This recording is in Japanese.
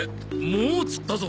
もう釣ったぞ！